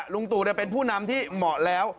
ลุงตั๋วเนี่ยเป็นผู้นำที่เหมาะแล้ว